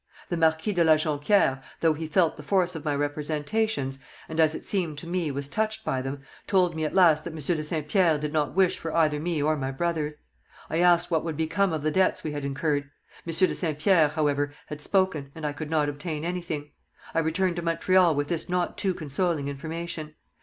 The Marquis de la Jonquière, though he felt the force of my representations, and, as it seemed to me, was touched by them, told me at last that Monsieur de Saint Pierre did not wish for either me or my brothers. I asked what would become of the debts we had incurred. Monsieur de Saint Pierre, however, had spoken, and I could not obtain anything. I returned to Montreal with this not too consoling information.